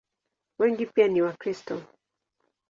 Wengi pia ni Wakristo.